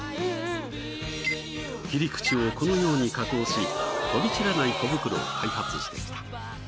切り口をこのように加工し飛び散らない小袋を開発してきた。